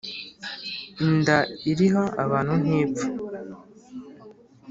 inda iriha abantu ntipfa